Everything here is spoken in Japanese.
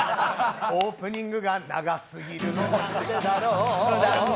オープニングが長すぎるのなんでだろう。